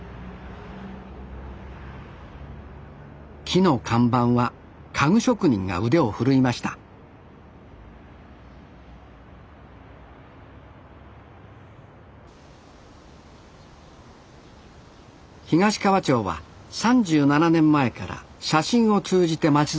木の看板は家具職人が腕を振るいました東川町は３７年前から「写真」を通じて町づくりをしています